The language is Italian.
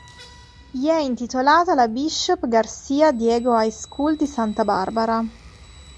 Gli è intitolata la Bishop Garcia Diego High School di Santa Barbara.